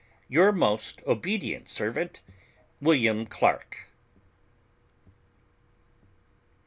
"Your most "Obedient servant, WM. CLARKE.